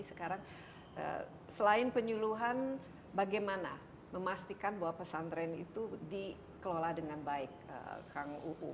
sekarang selain penyuluhan bagaimana memastikan bahwa pesantren itu dikelola dengan baik kang uu